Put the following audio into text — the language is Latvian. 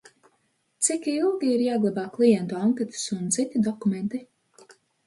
Cik ilgi ir jāglabā klientu anketas un citi dokumenti?